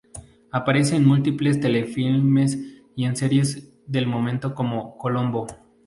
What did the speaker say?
Aparece en múltiples telefilmes y en series del momento como "Colombo".